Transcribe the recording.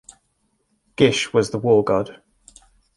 Gish was the war-god.